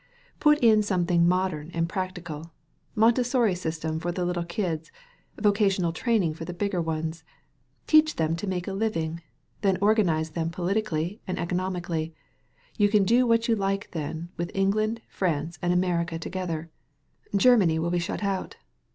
Put in something modem and practical. Montessori system for the little kids. Vocational training for the bigger ones. Teach them to make a living. Then organize them polit* ically and economically. You can do what you like, then, with England, France, and America to gether. Germany will be shut out.